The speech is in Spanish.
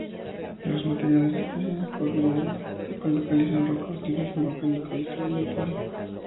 De los materiales del período Cuaternario, se localizan rocas de origen volcánico y sedimentario.